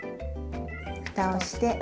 ふたをして。